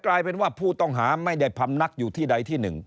มันจะกลายเป็นว่าผู้ต้องหาไม่ได้พำนักอยู่ที่ไหนที่หนึ่ง